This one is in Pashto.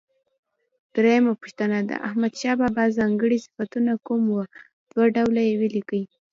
درېمه پوښتنه: د احمدشاه بابا ځانګړي صفتونه کوم و؟ دوه ډوله یې ولیکئ.